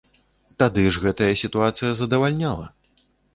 Тады ж гэтая сітуацыя задавальняла!